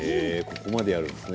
ここまでやるんですね。